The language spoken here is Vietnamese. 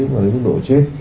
nó đến mức độ chết